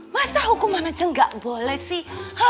masa hukuman aja nggak boleh sih